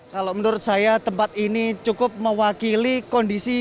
kalau menurut saya tempat ini cukup mewakili kondisi